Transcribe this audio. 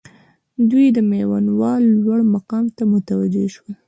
دوی د میوندوال لوړ مقام ته متوجه شول.